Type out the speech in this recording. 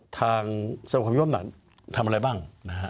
ทางสมคมโยมหนักทำอะไรบ้าง